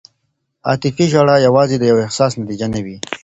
عاطفي ژړا یوازې د یو احساس نتیجه نه وي.